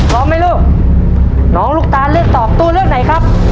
พร้อมไหมลูกน้องลูกตานเลือกตอบตัวเลือกไหนครับ